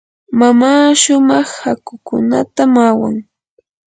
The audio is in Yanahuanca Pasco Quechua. mamaa shumaq hakukunatam awan.